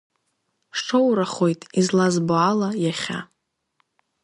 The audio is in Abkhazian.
Шоурахоит, излазбо ала, иахьа…